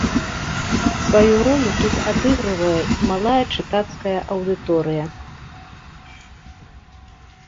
Сваю ролю тут адыгрывае і малая чытацкая аўдыторыя.